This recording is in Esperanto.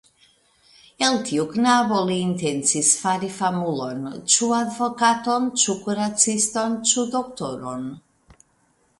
El tiu knabo li intencis fari famulon, ĉu advokaton, ĉu kuraciston, ĉu doktoron.